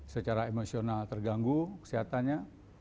secara emosional terganggu kesehatannya